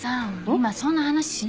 今そんな話しなくても。